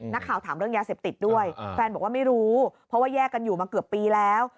นักข่าวถามเรื่องยาเสพติดด้วยแฟนบอกว่าไม่รู้เพราะว่าแยกกันอยู่มาเกือบปีแล้ว